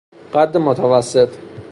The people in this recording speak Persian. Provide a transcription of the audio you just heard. قد متوسط